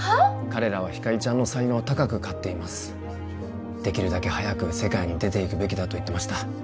彼らはひかりちゃんの才能を高く買っていますできるだけ早く世界に出ていくべきだと言ってました